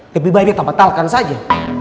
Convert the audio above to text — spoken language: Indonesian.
tapi baiknya tanpa talkan saja